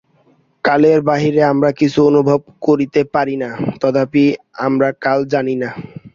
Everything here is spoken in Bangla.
কালের বাহিরে আমরা কিছু অনুভব করিতে পারি না, তথাপি আমরা কাল জানি না।